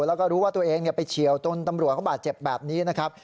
แล้วก็รู้ว่าตัวเองไปเฉียวจนตำรวจเขาบาดเจ็บแบบนี้นะครับ